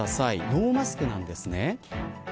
ノーマスクなんですね。